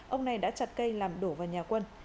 ông này đã chặt cây làm đổ vào nhà quân